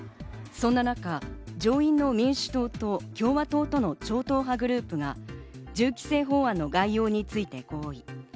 そんな中、上院の民主党と共和党との超党派グループが、銃規制法案の概要について合意。